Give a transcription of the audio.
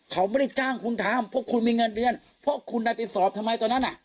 เขาไม่ได้จ้างคุณทำเพราะคุณมีเงินเดือนเพราะคุณได้ไปสอบทำไมตอนนั้นอ่ะ